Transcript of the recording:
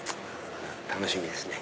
楽しみですね。